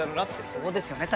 そうですよね